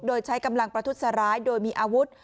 โดยใช้กำลังประทุษร้ายโดยมีอาวุธ